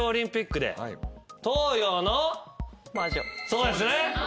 そうですね。